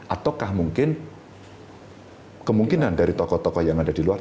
ataukah mungkin kemungkinan dari tokoh tokoh yang ada di luar